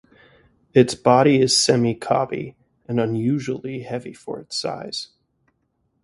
Its body is semi-cobby, and unusually heavy for its size.